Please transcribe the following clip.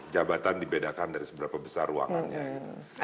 jabatan dibedakan dari seberapa besar ruangannya gitu